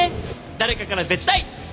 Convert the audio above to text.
誰かから絶対！